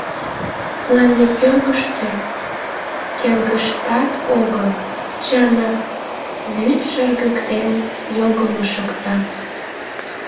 Мланде кӧргыштӧ, келгыштат огыл, чынак вӱд шыргыктен йогымо шокта.